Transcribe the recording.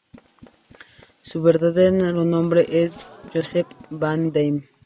Su verdadero nombre es Joseph van Damme.